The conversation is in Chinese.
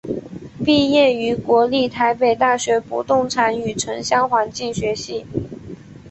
毕业于国立台北大学不动产与城乡环境学系。